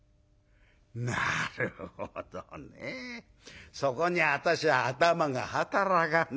「なるほどね。そこに私は頭が働かねえんだよ。